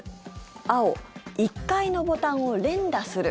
青、１階のボタンを連打する。